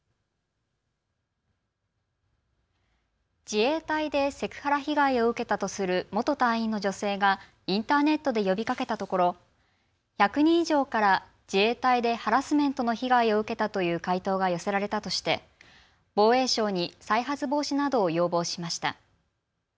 自衛隊でセクハラ被害を受けたとする元隊員の女性がインターネットで呼びかけたところ、１００人以上から自衛隊でハラスメントの被害を受けたという回答が寄せられたとして防衛省に再発防止などを要望しました。